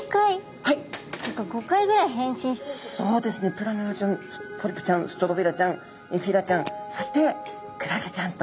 プラヌラちゃんポリプちゃんストロビラちゃんエフィラちゃんそしてクラゲちゃんと。